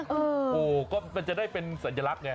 โอ่งก็จะได้เป็นสัญลักษณ์ไง